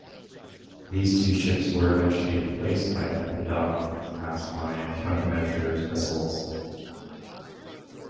These two ships were eventually replaced by the "Bedok" class mine countermeasures vessels.